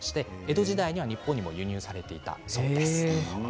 江戸時代には日本にも輸入されていました。